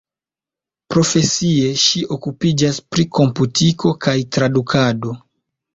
Profesie ŝi okupiĝas pri komputiko kaj tradukado.